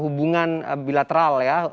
hubungan bilateral ya